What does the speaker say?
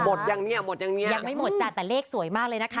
อย่างนี้หมดอย่างนี้ยังไม่หมดจ้ะแต่เลขสวยมากเลยนะคะ